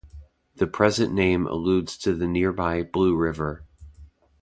The present name alludes to the nearby Blue River.